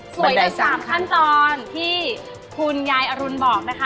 ได้๓ขั้นตอนที่คุณยายอรุณบอกนะคะ